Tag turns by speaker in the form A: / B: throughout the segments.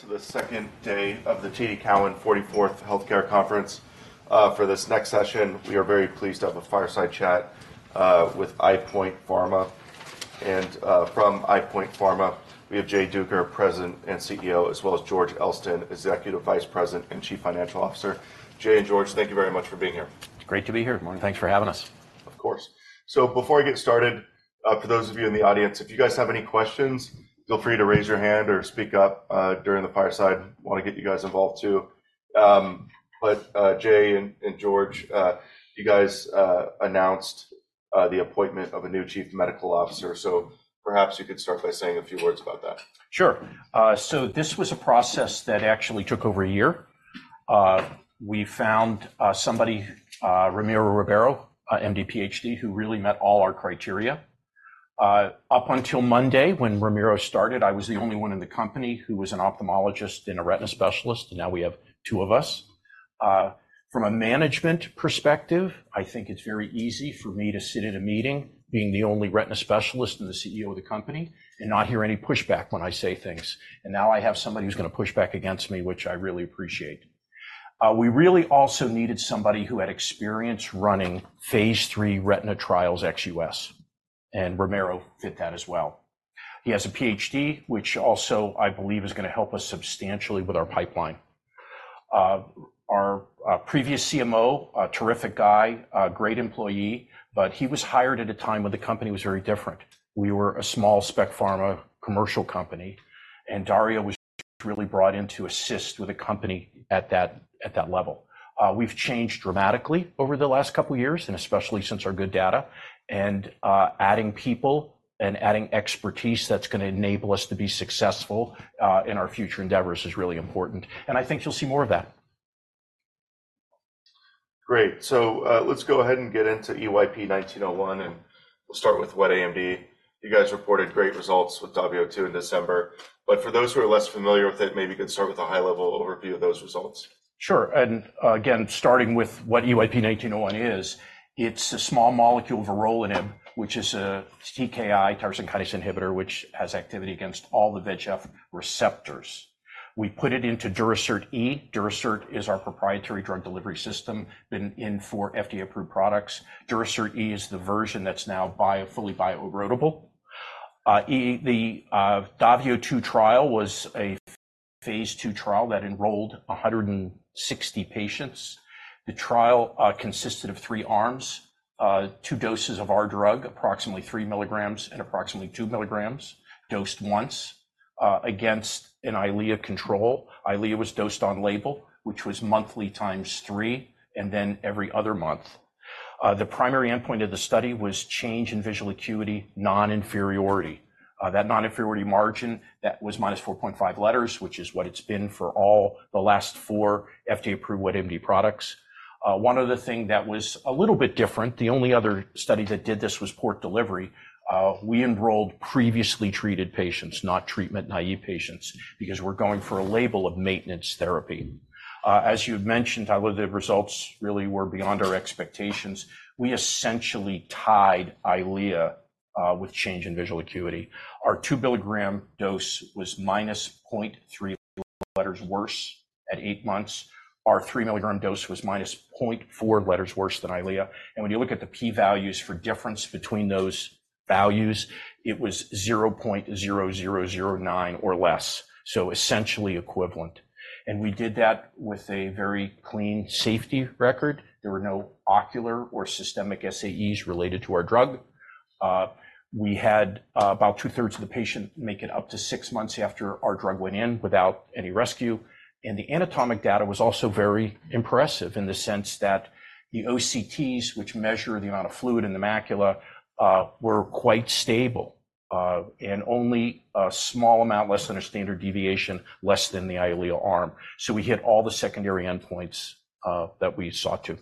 A: To the second day of the TD Cowen 44th Healthcare Conference. For this next session, we are very pleased to have a fireside chat with EyePoint Pharma. From EyePoint Pharma, we have Jay Duker, President and CEO, as well as George Elston, Executive Vice President and Chief Financial Officer. Jay and George, thank you very much for being here.
B: Great to be here, Mark. Thanks for having us.
A: Of course. So before I get started, for those of you in the audience, if you guys have any questions, feel free to raise your hand or speak up during the fireside. Want to get you guys involved too. But Jay and George, you guys announced the appointment of a new Chief Medical Officer, so perhaps you could start by saying a few words about that.
B: Sure. So this was a process that actually took over a year. We found somebody, Ramiro Ribeiro, MD, PhD, who really met all our criteria. Up until Monday when Ramiro started, I was the only one in the company who was an ophthalmologist and a retina specialist, and now we have two of us. From a management perspective, I think it's very easy for me to sit in a meeting, being the only retina specialist and the CEO of the company, and not hear any pushback when I say things. And now I have somebody who's going to push back against me, which I really appreciate. We really also needed somebody who had experience running phase 3 retina trials, XUS, and Ramiro fit that as well. He has a PhD, which also I believe is going to help us substantially with our pipeline. Our previous CMO, terrific guy, great employee, but he was hired at a time when the company was very different. We were a small spec pharma commercial company, and Dario was really brought in to assist with a company at that level. We've changed dramatically over the last couple of years, and especially since our good data. Adding people and adding expertise that's going to enable us to be successful in our future endeavors is really important. I think you'll see more of that.
A: Great. So, let's go ahead and get into EYP-1901, and we'll start with wet AMD. You guys reported great results with DAVIO 2 in December, but for those who are less familiar with it, maybe you could start with a high-level overview of those results.
B: Sure. And, again, starting with what EYP-1901 is, it's a small molecule vorolanib, which is a TKI, tyrosine kinase inhibitor, which has activity against all the VEGF receptors. We put it into Durasert E. Durasert is our proprietary drug delivery system, been in for FDA-approved products. Durasert E is the version that's now fully bioerodible. The DAVIO 2 trial was a Phase 2 trial that enrolled 160 patients. The trial consisted of three arms, two doses of our drug, approximately 3 milligrams and approximately 2 milligrams, dosed once, against an Eylea control. Eylea was dosed on label, which was monthly times three, and then every other month. The primary endpoint of the study was change in visual acuity, non-inferiority. That non-inferiority margin that was -4.5 letters, which is what it's been for all the last four FDA-approved wet AMD products. One other thing that was a little bit different, the only other study that did this was port delivery. We enrolled previously treated patients, not treatment-naive patients, because we're going for a label of maintenance therapy. As you had mentioned, although the results really were beyond our expectations, we essentially tied Eylea, with change in visual acuity. Our 2 milligram dose was -0.3 letters worse at 8 months. Our 3 milligram dose was -0.4 letters worse than Eylea. And when you look at the p-values for difference between those values, it was 0.0009 or less, so essentially equivalent. And we did that with a very clean safety record. There were no ocular or systemic SAEs related to our drug. We had about 2/3 of the patients make it up to 6 months after our drug went in without any rescue. The anatomic data was also very impressive in the sense that the OCTs, which measure the amount of fluid in the macula, were quite stable, and only a small amount less than a standard deviation, less than the Eylea arm. We hit all the secondary endpoints, that we sought to.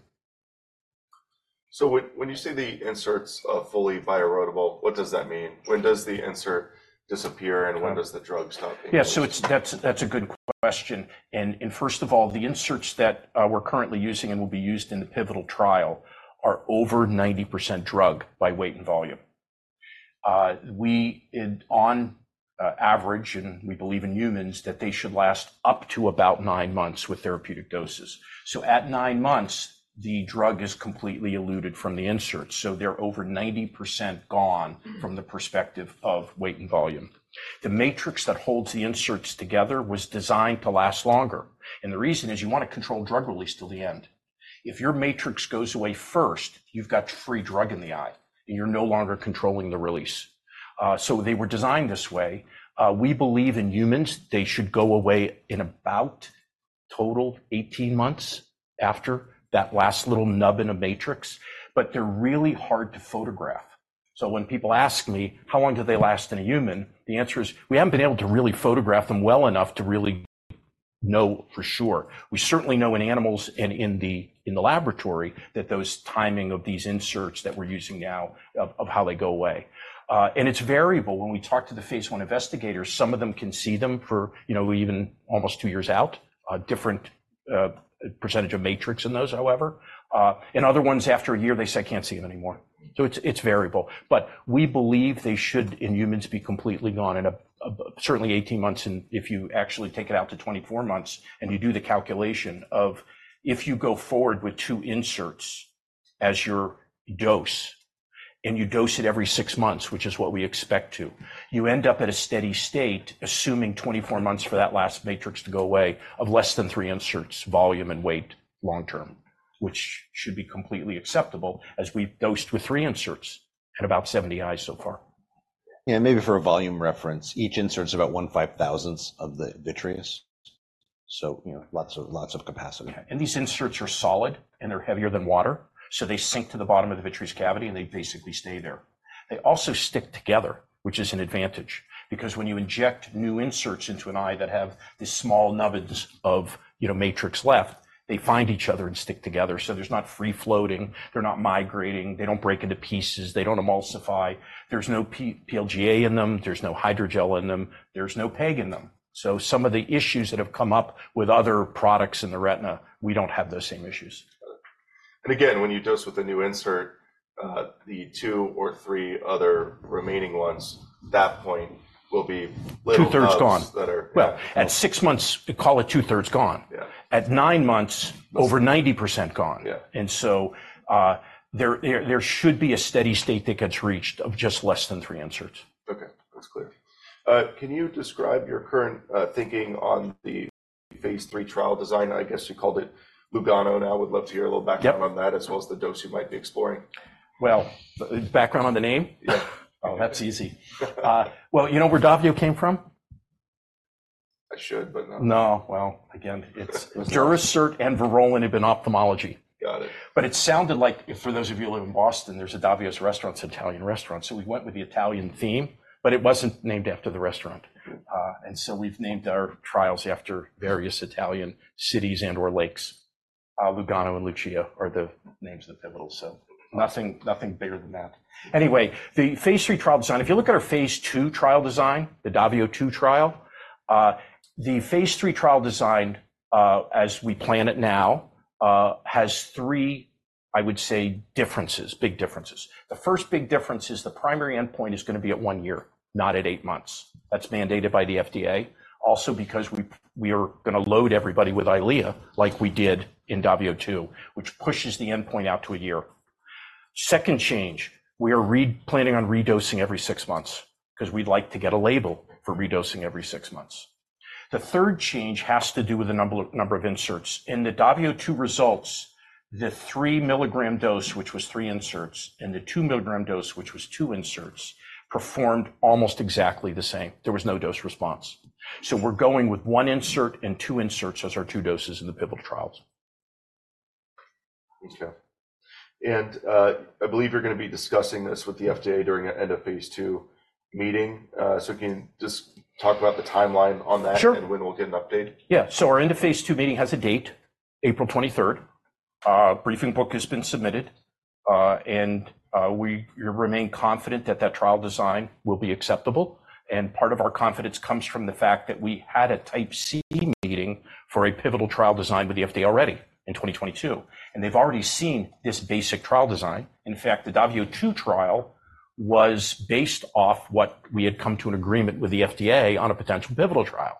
A: So when you say the inserts fully bioerodible, what does that mean? When does the insert disappear, and when does the drug stop being used?
B: Yeah. So, that's a good question. And first of all, the inserts that we're currently using and will be used in the pivotal trial are over 90% drug by weight and volume. On average, and we believe in humans, that they should last up to about nine months with therapeutic doses. So at nine months, the drug is completely eluted from the inserts. So they're over 90% gone from the perspective of weight and volume. The matrix that holds the inserts together was designed to last longer. And the reason is you want to control drug release till the end. If your matrix goes away first, you've got free drug in the eye, and you're no longer controlling the release. So they were designed this way. We believe in humans, they should go away in about total 18 months after that last little nub in a matrix, but they're really hard to photograph. So when people ask me, "How long do they last in a human?" the answer is, "We haven't been able to really photograph them well enough to really know for sure." We certainly know in animals and in the laboratory that those timing of these inserts that we're using now, of how they go away. And it's variable. When we talk to the Phase 1 investigators, some of them can see them for, you know, even almost two years out, different percentage of matrix in those, however. And other ones after a year, they say, "I can't see them anymore." So it's variable. But we believe they should, in humans, be completely gone in a certainly 18 months. If you actually take it out to 24 months and you do the calculation of if you go forward with 2 inserts as your dose, and you dose it every 6 months, which is what we expect to, you end up at a steady state, assuming 24 months for that last matrix to go away, of less than 3 inserts, volume and weight long term, which should be completely acceptable as we've dosed with 3 inserts at about 70 eyes so far.
C: Yeah. And maybe for a volume reference, each insert's about 1/5000th of the vitreous. So, you know, lots of, lots of capacity.
B: Yeah. These inserts are solid, and they're heavier than water, so they sink to the bottom of the vitreous cavity, and they basically stay there. They also stick together, which is an advantage, because when you inject new inserts into an eye that have these small nubbins of, you know, matrix left, they find each other and stick together. So there's not free floating. They're not migrating. They don't break into pieces. They don't emulsify. There's no P-PLGA in them. There's no hydrogel in them. There's no PEG in them. So some of the issues that have come up with other products in the retina, we don't have those same issues.
A: Again, when you dose with a new insert, the two or three other remaining ones. At that point, there will be a little less than there are.
B: Two-thirds gone. Well, at six months, call it two-thirds gone. At nine months, over 90% gone. And so, there should be a steady state that gets reached of just less than three inserts.
A: Okay. That's clear. Can you describe your current thinking on the Phase 3 trial design? I guess you called it Lugano. Now, I would love to hear a little background on that, as well as the dose you might be exploring.
B: Well, the background on the name?
A: Yeah.
B: Oh, that's easy. Well, you know where DAVIO came from?
A: I should, but no.
B: No. Well, again, it's Durasert and vorolanib had been ophthalmology.
A: Got it.
B: But it sounded like, for those of you living in Boston, there's a Davio's restaurant, Italian restaurant. So we went with the Italian theme, but it wasn't named after the restaurant. So we've named our trials after various Italian cities and/or lakes. Lugano and Lucia are the names of the pivotals. So nothing, nothing bigger than that. Anyway, the phase 3 trial design, if you look at our phase 2 trial design, the DAVIO 2 trial, the phase 3 trial design, as we plan it now, has three, I would say, differences, big differences. The first big difference is the primary endpoint is going to be at one year, not at eight months. That's mandated by the FDA. Also because we are going to load everybody with Eylea like we did in DAVIO 2, which pushes the endpoint out to a year. Second change, we are re-planning on redosing every 6 months 'cause we'd like to get a label for redosing every 6 months. The third change has to do with the number of inserts. In the DAVIO 2 results, the 3-milligram dose, which was 3 inserts, and the 2-milligram dose, which was 2 inserts, performed almost exactly the same. There was no dose response. So we're going with 1 insert and 2 inserts as our two doses in the pivotal trials.
A: Interesting. I believe you're going to be discussing this with the FDA during an end-of-phase 2 meeting. Can you just talk about the timeline on that?
B: Sure.
A: When will we get an update?
B: Yeah. So our end-of-phase 2 meeting has a date, April 23rd. Briefing book has been submitted, and we remain confident that that trial design will be acceptable. And part of our confidence comes from the fact that we had a Type C meeting for a pivotal trial design with the FDA already in 2022, and they've already seen this basic trial design. In fact, the DAVIO 2 trial was based off what we had come to an agreement with the FDA on a potential pivotal trial,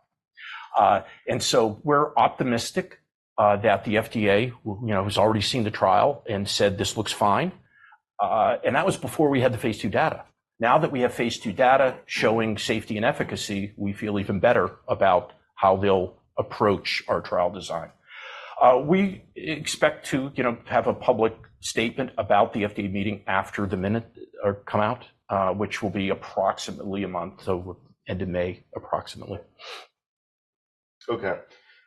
B: and so we're optimistic that the FDA, you know, has already seen the trial and said, "This looks fine," and that was before we had the phase 2 data. Now that we have phase 2 data showing safety and efficacy, we feel even better about how they'll approach our trial design. We expect to, you know, have a public statement about the FDA meeting after the minutes come out, which will be approximately a month or end of May, approximately.
A: Okay.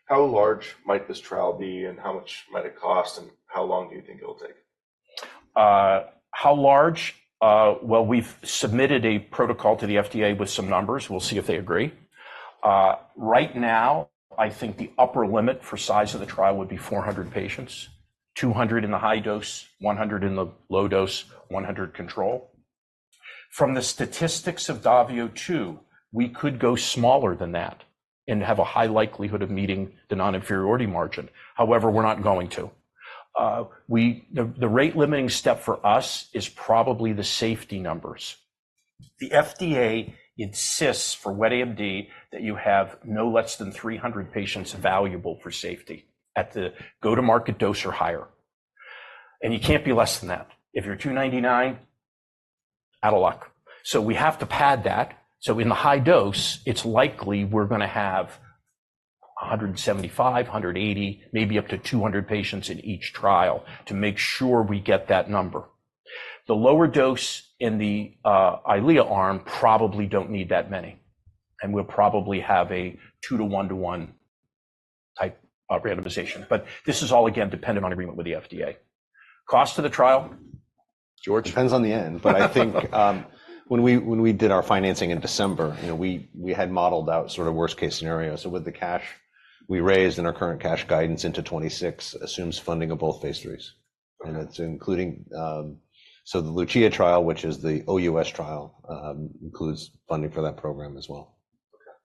A: How large might this trial be, and how much might it cost, and how long do you think it'll take?
B: How large? Well, we've submitted a protocol to the FDA with some numbers. We'll see if they agree. Right now, I think the upper limit for size of the trial would be 400 patients, 200 in the high dose, 100 in the low dose, 100 control. From the statistics of DAVIO 2, we could go smaller than that and have a high likelihood of meeting the non-inferiority margin. However, we're not going to. The rate-limiting step for us is probably the safety numbers. The FDA insists for wet AMD that you have no less than 300 patients evaluable for safety at the go-to-market dose or higher. And you can't be less than that. If you're 299, out of luck. So we have to pad that. So in the high dose, it's likely we're going to have 175, 180, maybe up to 200 patients in each trial to make sure we get that number. The lower dose in the Eylea arm probably don't need that many. And we'll probably have a 2:1:1 type randomization. But this is all, again, dependent on agreement with the FDA. Cost of the trial, George?
C: Depends on the end. But I think, when we, when we did our financing in December, you know, we, we had modeled out sort of worst-case scenarios. So with the cash we raised in our current cash guidance into 2026 assumes funding of both phase 3s. It's including, so the LUCIA trial, which is the OUS trial, includes funding for that program as well.
A: Okay.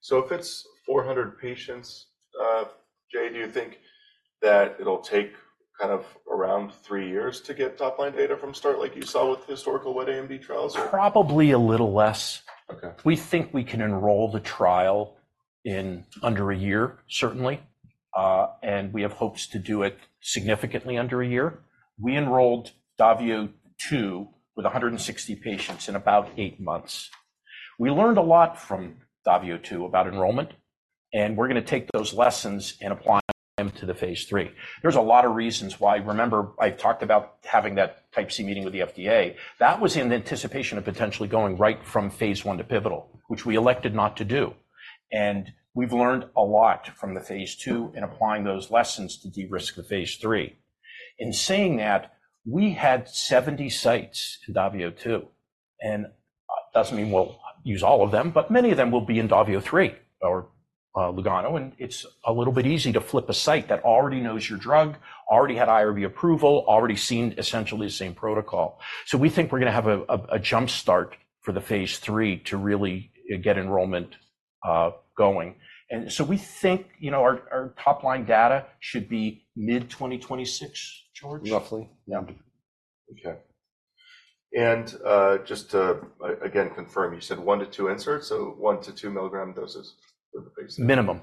A: So if it's 400 patients, Jay, do you think that it'll take kind of around 3 years to get top-line data from start, like you saw with historical wet AMD trials, or?
B: Probably a little less. We think we can enroll the trial in under a year, certainly. We have hopes to do it significantly under a year. We enrolled DAVIO 2 with 160 patients in about eight months. We learned a lot from DAVIO 2 about enrollment. We're going to take those lessons and apply them to the phase 3. There's a lot of reasons why. Remember, I've talked about having that Type C meeting with the FDA. That was in anticipation of potentially going right from phase 1 to pivotal, which we elected not to do. We've learned a lot from the phase 2 and applying those lessons to de-risk the phase 3. In saying that, we had 70 sites in DAVIO 2. It doesn't mean we'll use all of them, but many of them will be in DAVIO 3 or Lugano. It's a little bit easy to flip a site that already knows your drug, already had IRB approval, already seen essentially the same protocol. So we think we're going to have a jump start for the phase 3 to really get enrollment going. So we think, you know, our top-line data should be mid-2026, George.
C: Roughly. Yeah.
A: Okay. Just to again confirm, you said 1-2 inserts? So 1-2 milligram doses for the Phase 3?
B: Minimum.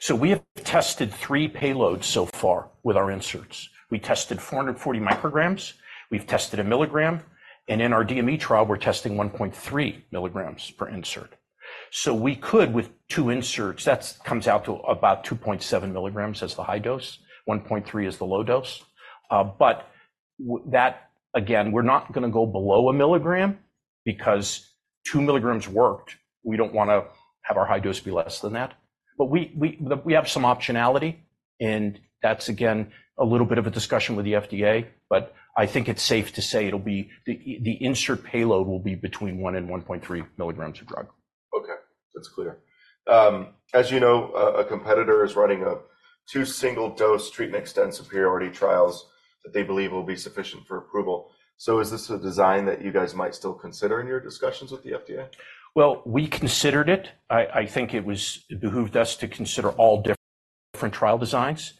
B: So we have tested three payloads so far with our inserts. We tested 440 micrograms. We've tested 1 milligram. And in our DME trial, we're testing 1.3 milligrams per insert. So we could, with two inserts, that comes out to about 2.7 milligrams as the high dose. 1.3 is the low dose, but that, again, we're not going to go below 1 milligram because 2 milligrams worked. We don't want to have our high dose be less than that. But we have some optionality. And that's, again, a little bit of a discussion with the FDA. But I think it's safe to say it'll be the insert payload will be between 1 and 1.3 milligrams of drug.
A: Okay. That's clear. As you know, a competitor is running up two single-dose treatment extensive priority trials that they believe will be sufficient for approval. So is this a design that you guys might still consider in your discussions with the FDA?
B: Well, we considered it. I, I think it was behooved us to consider all different, different trial designs.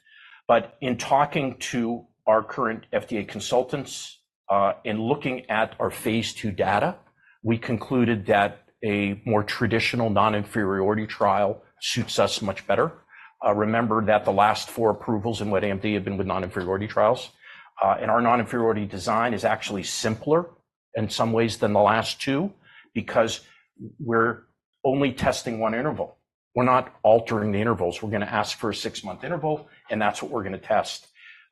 B: But in talking to our current FDA consultants, and looking at our phase 2 data, we concluded that a more traditional non-inferiority trial suits us much better. Remember that the last 4 approvals in wet AMD have been with non-inferiority trials, and our non-inferiority design is actually simpler in some ways than the last two because we're only testing one interval. We're not altering the intervals. We're going to ask for a 6-month interval, and that's what we're going to test.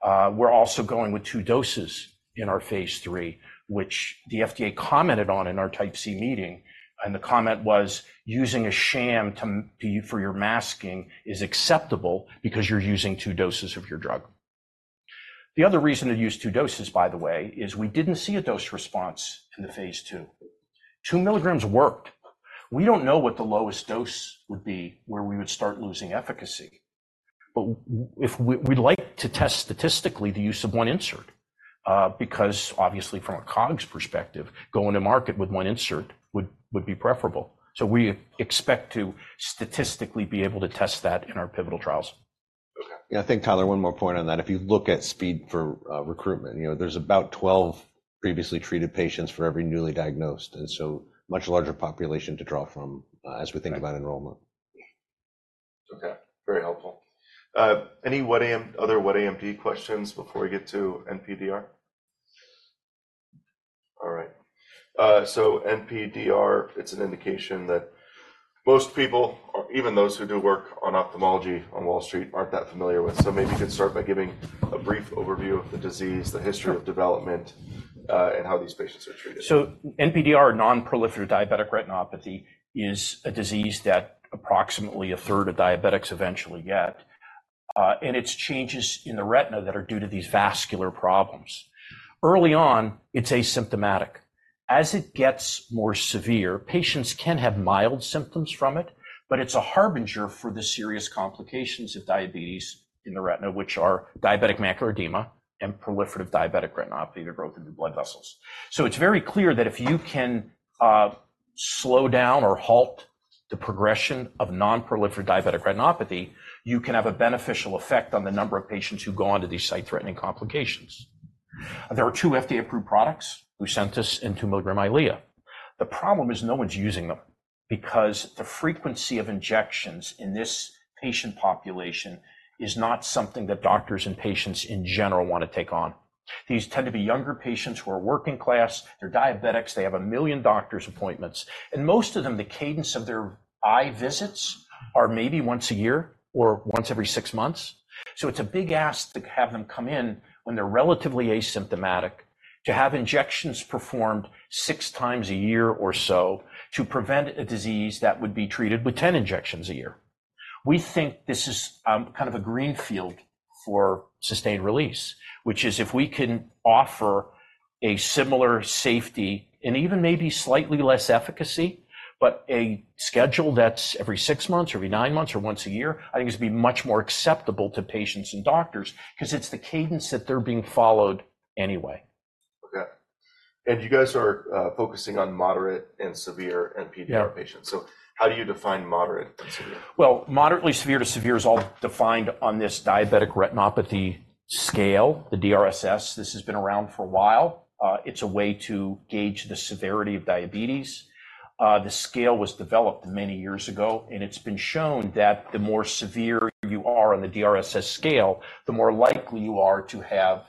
B: We're also going with 2 doses in our phase 3, which the FDA commented on in our Type C meeting. The comment was, "Using a sham to use for your masking is acceptable because you're using two doses of your drug." The other reason to use two doses, by the way, is we didn't see a dose response in the Phase 2. 2 milligrams worked. We don't know what the lowest dose would be where we would start losing efficacy. But we'd like to test statistically the use of 1 insert, because obviously, from a COGS perspective, going to market with 1 insert would be preferable. So we expect to statistically be able to test that in our pivotal trials.
A: Okay.
C: Yeah. I think, Tyler, one more point on that. If you look at speed for recruitment, you know, there's about 12 previously treated patients for every newly diagnosed. And so much larger population to draw from, as we think about enrollment.
A: Okay. Very helpful. Any other wet AMD questions before we get to NPDR? All right. So NPDR, it's an indication that most people, or even those who do work on ophthalmology on Wall Street, aren't that familiar with. So maybe you could start by giving a brief overview of the disease, the history of development, and how these patients are treated.
B: So NPDR, non-proliferative diabetic retinopathy, is a disease that approximately a third of diabetics eventually get. It's changes in the retina that are due to these vascular problems. Early on, it's asymptomatic. As it gets more severe, patients can have mild symptoms from it, but it's a harbinger for the serious complications of diabetes in the retina, which are diabetic macular edema and proliferative diabetic retinopathy and the growth of new blood vessels. So it's very clear that if you can, slow down or halt the progression of non-proliferative diabetic retinopathy, you can have a beneficial effect on the number of patients who go onto these sight-threatening complications. There are two FDA-approved products, Lucentis and two milligram Eylea. The problem is no one's using them because the frequency of injections in this patient population is not something that doctors and patients in general want to take on. These tend to be younger patients who are working class. They're diabetics. They have 1 million doctors' appointments. Most of them, the cadence of their eye visits are maybe once a year or once every six months. It's a big ask to have them come in when they're relatively asymptomatic, to have injections performed six times a year or so to prevent a disease that would be treated with 10 injections a year. We think this is, kind of a greenfield for sustained release, which is if we can offer a similar safety and even maybe slightly less efficacy, but a schedule that's every six months or every nine months or once a year, I think it's going to be much more acceptable to patients and doctors 'cause it's the cadence that they're being followed anyway.
A: Okay. And you guys are focusing on moderate and severe NPDR patients.
B: Yeah.
A: So how do you define moderate and severe?
B: Well, moderately severe to severe is all defined on this diabetic retinopathy scale, the DRSS. This has been around for a while. It's a way to gauge the severity of diabetes. The scale was developed many years ago. It's been shown that the more severe you are on the DRSS scale, the more likely you are to have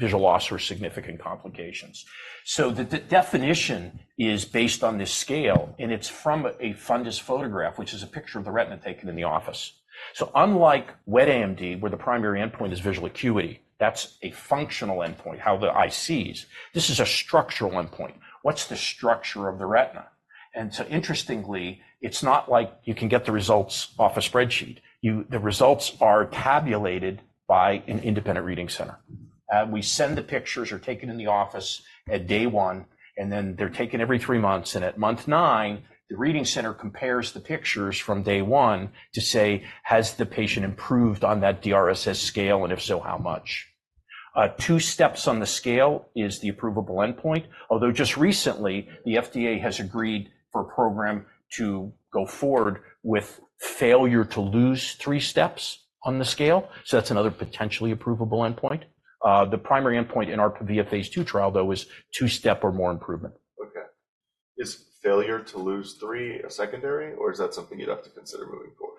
B: visual loss or significant complications. So the definition is based on this scale. It's from a fundus photograph, which is a picture of the retina taken in the office. So unlike what AMD, where the primary endpoint is visual acuity, that's a functional endpoint, how the eye sees. This is a structural endpoint. What's the structure of the retina? So interestingly, it's not like you can get the results off a spreadsheet. The results are tabulated by an independent reading center. We send the pictures taken in the office at day 1. Then they're taken every 3 months. At month 9, the reading center compares the pictures from day 1 to say, "Has the patient improved on that DRSS scale? And if so, how much?" Two steps on the scale is the approvable endpoint. Although just recently, the FDA has agreed for a program to go forward with failure to lose 3 steps on the scale. So that's another potentially approvable endpoint. The primary endpoint in our PAVIA phase 2 trial, though, is 2-step or more improvement.
A: Okay. Is failure to lose 3 a secondary, or is that something you'd have to consider moving forward?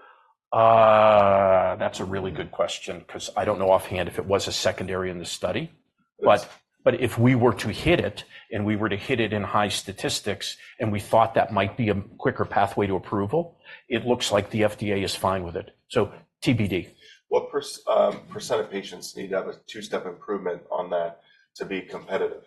B: That's a really good question 'cause I don't know offhand if it was a secondary in the study. But, but if we were to hit it, and we were to hit it in high statistics, and we thought that might be a quicker pathway to approval, it looks like the FDA is fine with it. So TBD.
A: What percentage of patients need to have a two-step improvement on that to be competitive?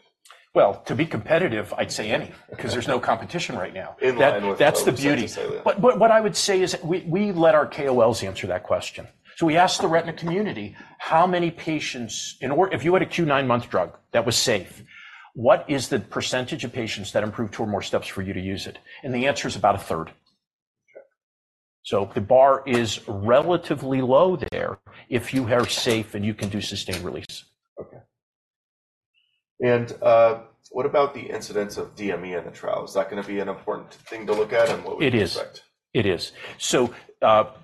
B: Well, to be competitive, I'd say any 'cause there's no competition right now.
A: In line with.
B: That's the beauty. But what I would say is we let our KOLs answer that question. So we asked the retina community, "How many patients in order if you had a Q9 month drug that was safe, what is the percentage of patients that improve to or more steps for you to use it?" And the answer is about a third.
A: Okay.
B: So the bar is relatively low there if you are safe and you can do sustained release.
A: Okay. What about the incidence of DME in the trial? Is that going to be an important thing to look at, and what would you expect?
B: It is. It is. So,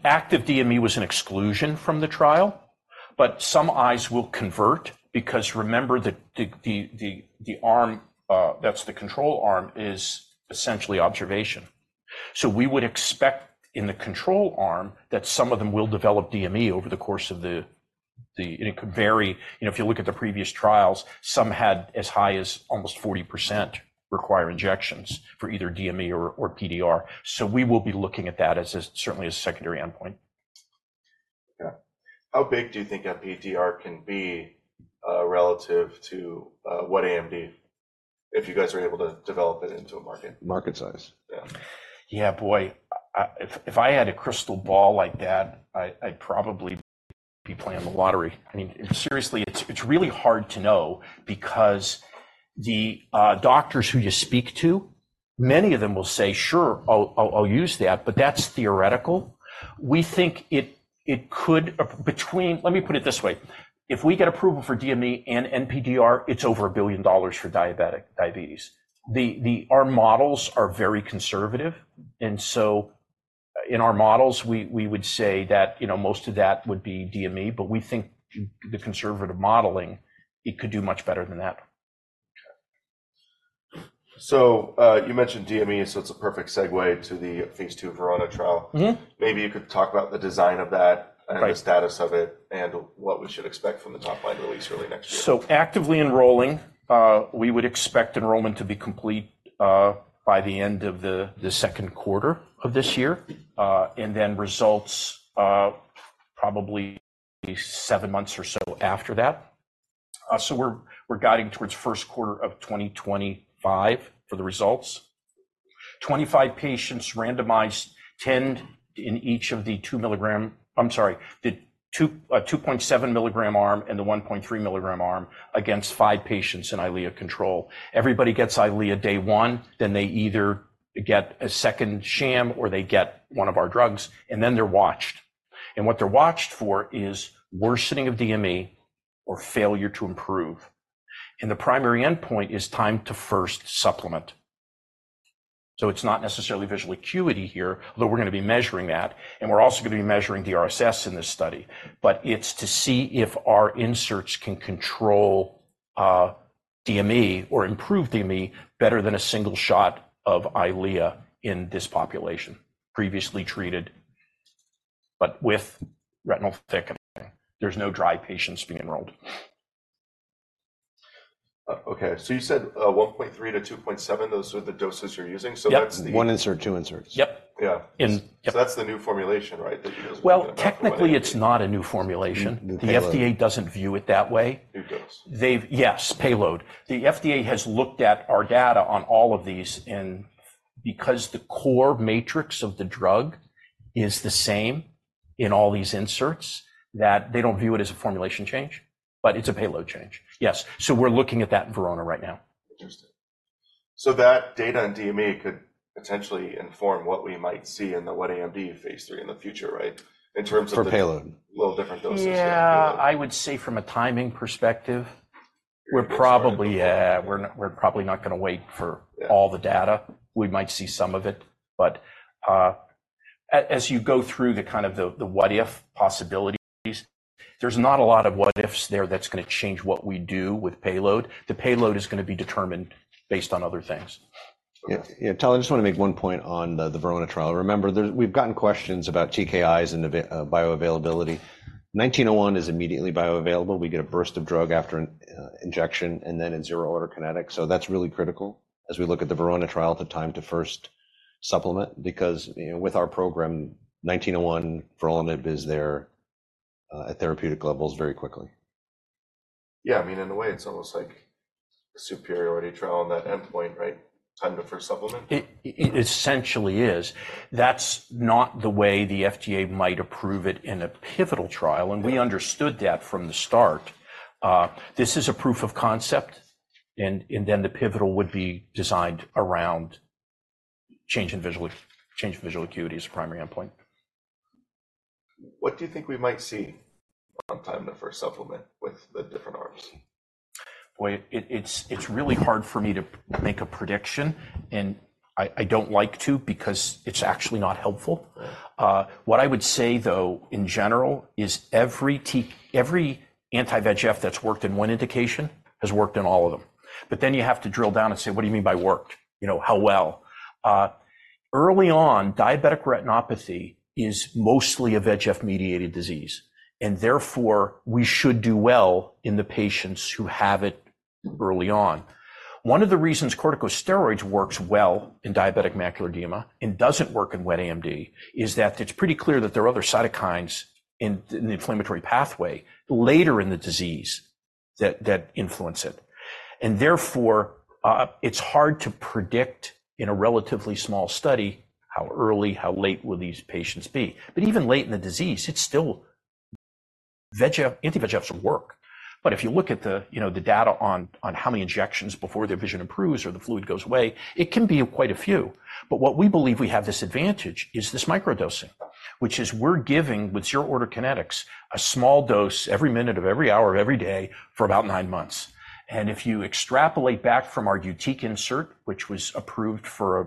B: active DME was an exclusion from the trial. But some eyes will convert because remember the arm, that's the control arm, is essentially observation. So we would expect in the control arm that some of them will develop DME over the course of the trial, and it could vary. You know, if you look at the previous trials, some had as high as almost 40% require injections for either DME or PDR. So we will be looking at that as a secondary endpoint.
A: Okay. How big do you think NPDR can be, relative to what AMD, if you guys are able to develop it into a market?
C: Market size.
A: Yeah.
B: Yeah, boy. If I had a crystal ball like that, I'd probably be playing the lottery. I mean, seriously, it's really hard to know because the doctors who you speak to, many of them will say, "Sure. I'll use that." But that's theoretical. We think it could between let me put it this way. If we get approval for DME and NPDR, it's over $1 billion for diabetic diabetes. Our models are very conservative. And so in our models, we would say that, you know, most of that would be DME. But we think the conservative modeling, it could do much better than that.
A: Okay. You mentioned DME. It's a perfect segue to the phase 2 VERONA trial.
B: Mm-hmm.
A: Maybe you could talk about the design of that and the status of it and what we should expect from the top-line release early next year.
B: So actively enrolling, we would expect enrollment to be complete by the end of the Q2 of this year, and then results probably 7 months or so after that. So we're guiding towards Q1 of 2025 for the results. 25 patients randomized, 10 in each of the 2 milligram, I'm sorry, the 2.7 milligram arm and the 1.3 milligram arm against five patients in Eylea control. Everybody gets Eylea day one. Then they either get a second sham or they get one of our drugs. And then they're watched. And what they're watched for is worsening of DME or failure to improve. And the primary endpoint is time to first supplement. So it's not necessarily visual acuity here, although we're going to be measuring that. And we're also going to be measuring DRSS in this study. It's to see if our inserts can control DME or improve DME better than a single shot of Eylea in this population previously treated but with retinal thickening. There's no dry patients being enrolled.
A: Okay. So you said, 1.3-2.7, those are the doses you're using. So that's the.
B: Yeah. One insert, two inserts.
A: Yep. Yeah.
B: And.
A: So that's the new formulation, right, that you guys are looking at?
B: Well, technically, it's not a new formulation. The FDA doesn't view it that way.
A: New dose.
B: They've, yes, payload. The FDA has looked at our data on all of these. Because the core matrix of the drug is the same in all these inserts, that they don't view it as a formulation change. But it's a payload change. Yes. So we're looking at that in Verona right now.
A: Interesting. So that data and DME could potentially inform what we might see in the wet AMD phase 3 in the future, right, in terms of the.
C: For payload.
A: Little different doses for payload.
B: Yeah. I would say from a timing perspective, we're probably not going to wait for all the data. We might see some of it. But as you go through the what if possibilities, there's not a lot of what ifs there that's going to change what we do with payload. The payload is going to be determined based on other things.
C: Yeah. Yeah. Tyler, I just want to make one point on the, the VERONA trial. Remember, there, we've gotten questions about TKIs and vorolanib bioavailability. 1901 is immediately bioavailable. We get a burst of drug after an, injection and then zero-order kinetics. So that's really critical as we look at the VERONA trial to time to first supplement because, you know, with our program, 1901, vorolanib is there, at therapeutic levels very quickly.
A: Yeah. I mean, in a way, it's almost like a superiority trial on that endpoint, right? Time to first supplement.
B: It essentially is. That's not the way the FDA might approve it in a pivotal trial. And we understood that from the start. This is a proof of concept. And then the pivotal would be designed around change in visual acuity as a primary endpoint.
A: What do you think we might see on time to first supplement with the different arms?
B: Boy, it's really hard for me to make a prediction. And I don't like to because it's actually not helpful. What I would say, though, in general, is every anti-VEGF that's worked in one indication has worked in all of them. But then you have to drill down and say, "What do you mean by worked? You know, how well?" Early on, diabetic retinopathy is mostly a VEGF-mediated disease. And therefore, we should do well in the patients who have it early on. One of the reasons corticosteroids works well in diabetic macular edema and doesn't work in wet AMD is that it's pretty clear that there are other cytokines in the inflammatory pathway later in the disease that influence it. And therefore, it's hard to predict in a relatively small study how early, how late will these patients be? But even late in the disease, it's still VEGF anti-VEGFs will work. But if you look at the, you know, the data on, on how many injections before their vision improves or the fluid goes away, it can be quite a few. But what we believe we have this advantage is this microdosing, which is we're giving with zero-order kinetics a small dose every minute of every hour of every day for about nine months. And if you extrapolate back from our YUTIQ insert, which was approved for a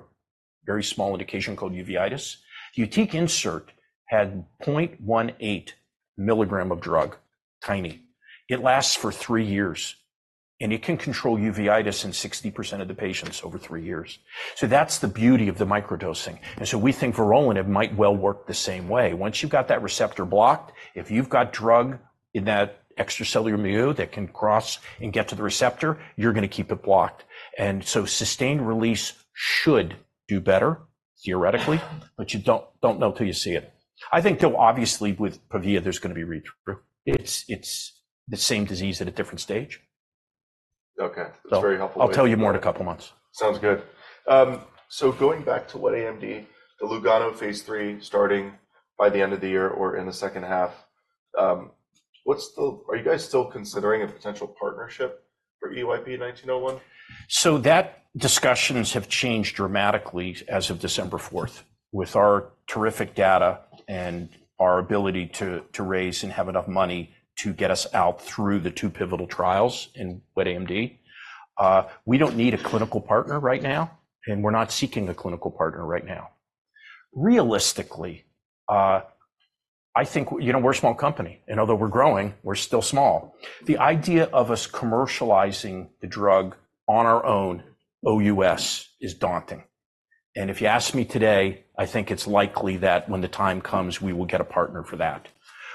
B: very small indication called uveitis, YUTIQ insert had 0.18 milligram of drug, tiny. It lasts for three years. And it can control uveitis in 60% of the patients over three years. So that's the beauty of the microdosing. And so we think vorolanib might well work the same way. Once you've got that receptor blocked, if you've got drug in that extracellular milieu that can cross and get to the receptor, you're going to keep it blocked. So sustained release should do better theoretically. But you don't, don't know till you see it. I think though, obviously, with PAVIA, there's going to be read-through. It's, it's the same disease at a different stage.
A: Okay. That's very helpful.
B: I'll tell you more in a couple months.
A: Sounds good. So going back to wet AMD, the Lugano phase 3 starting by the end of the year or in the second half, what's the, are you guys still considering a potential partnership for EYP-1901?
B: So that discussions have changed dramatically as of December 4th with our terrific data and our ability to raise and have enough money to get us out through the two pivotal trials in wet AMD. We don't need a clinical partner right now. And we're not seeking a clinical partner right now. Realistically, I think you know, we're a small company. And although we're growing, we're still small. The idea of us commercializing the drug on our own OUS is daunting. And if you ask me today, I think it's likely that when the time comes, we will get a partner for that.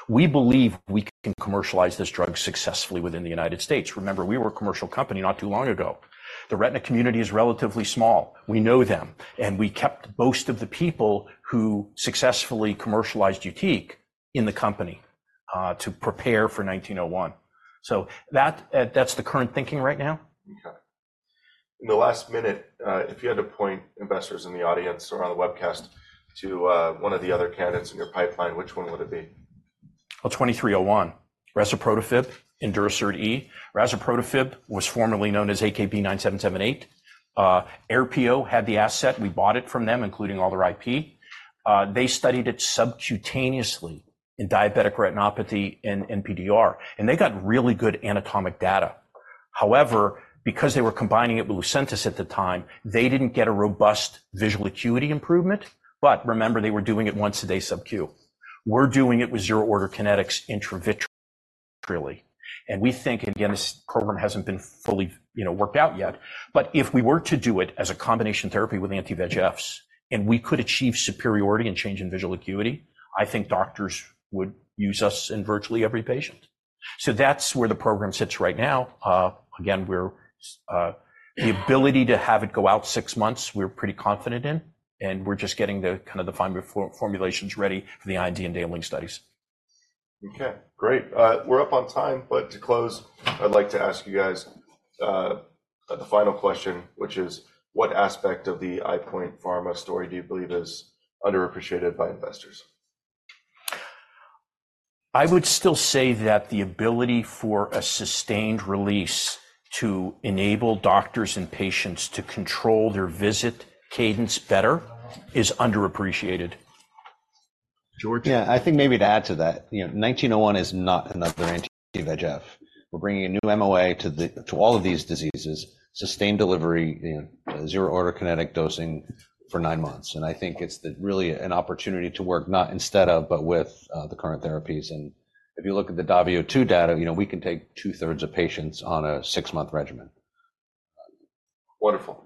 B: We believe we can commercialize this drug successfully within the United States. Remember, we were a commercial company not too long ago. The retina community is relatively small. We know them. We kept most of the people who successfully commercialized YUTIQ in the company, to prepare for 1901. So that, that's the current thinking right now.
A: Okay. In the last minute, if you had to point investors in the audience or on the webcast to one of the other candidates in your pipeline, which one would it be?
B: Well, 2301, razuprotafib, Durasert E. Razuprotafib was formerly known as AKB-9778. Aerpio had the asset. We bought it from them, including all their IP. They studied it subcutaneously in diabetic retinopathy and NPDR. And they got really good anatomic data. However, because they were combining it with Lucentis at the time, they didn't get a robust visual acuity improvement. But remember, they were doing it once a day sub-Q. We're doing it with zero-order kinetics intravitreally. And we think and again, this program hasn't been fully, you know, worked out yet. But if we were to do it as a combination therapy with anti-VEGFs, and we could achieve superiority and change in visual acuity, I think doctors would use us in virtually every patient. So that's where the program sits right now. Again, we're [pretty confident in] the ability to have it go out 6 months. We're just getting the final formulations ready for the IND and dosing studies.
A: Okay. Great. We're up on time. But to close, I'd like to ask you guys, the final question, which is, what aspect of the EyePoint Pharma story do you believe is underappreciated by investors?
B: I would still say that the ability for a sustained release to enable doctors and patients to control their visit cadence better is underappreciated.
A: George?
C: Yeah. I think maybe to add to that, you know, 1901 is not another anti-VEGF. We're bringing a new MOA to the all of these diseases, sustained delivery, you know, zero-order kinetic dosing for nine months. And I think it's really an opportunity to work not instead of but with the current therapies. And if you look at the DAVIO 2 data, you know, we can take two-thirds of patients on a six-month regimen.
A: Wonderful.